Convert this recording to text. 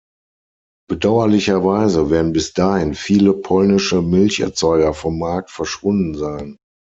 Bedauerlicherweise werden bis dahin viele polnische Milcherzeuger vom Markt verschwunden sein.